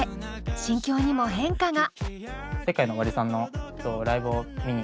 心境にも変化が。